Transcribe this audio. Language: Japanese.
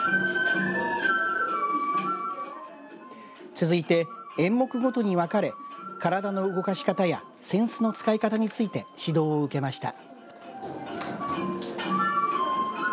続いて演目ごとに分かれ体の動かし方や扇子の使い方について指導を受けました。